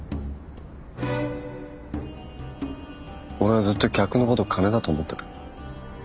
俺はずっと客のこと金だと思ってた。